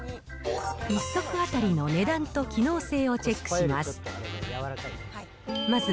１足当たりの値段と機能性をチェックします。